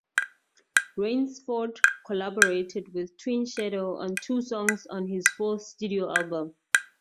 Rainsford collaborated with Twin Shadow on two songs on his fourth studio album.